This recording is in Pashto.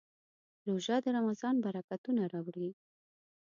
روژه د رمضان برکتونه راوړي.